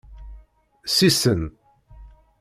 Sisen.